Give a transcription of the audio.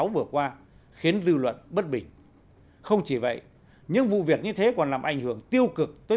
vừa qua khiến dư luận bất bình không chỉ vậy những vụ việc như thế còn làm ảnh hưởng tiêu cực tới